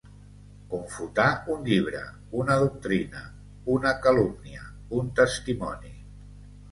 Confutar un llibre, una doctrina, una calúmnia, un testimoni.